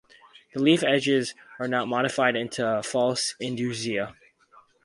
The leaf edges are not modified into false indusia.